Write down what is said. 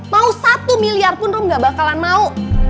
mau satu miliar pun rum gak bakalan mau